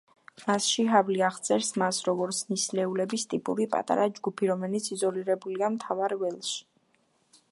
მასში ჰაბლი აღწერს მას, როგორც „ნისლეულების ტიპური პატარა ჯგუფი, რომელიც იზოლირებულია მთავარ ველში“.